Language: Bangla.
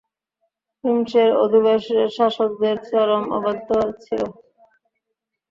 হিমসের অধিবাসীরা শাসকদের চরম অবাধ্য ছিল।